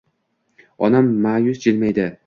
Onam ma’yus jilmaydi.